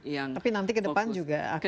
yang fokus tapi nanti ke depan juga akan